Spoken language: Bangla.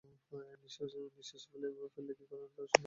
নিশ্বাস ফেলে বললে, কী করে তাঁর সঙ্গে দেখা হবে।